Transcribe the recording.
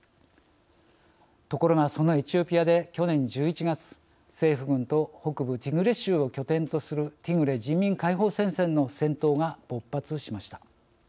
ところが、そのエチオピアで去年１１月、政府軍と北部ティグレ州を拠点とするティグレ人民解放戦線の戦闘が勃発しました。